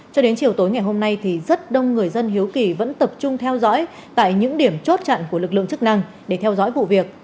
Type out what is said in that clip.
cho đến chiều tối ngày hôm nay thì rất đông người dân hiếu kỳ vẫn tập trung theo dõi tại những điểm chốt chặn của lực lượng chức năng để theo dõi vụ việc